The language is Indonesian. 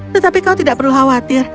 tetapi kau tidak perlu khawatir